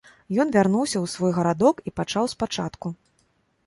Ён вярнуўся ў свой гарадок і пачаў спачатку.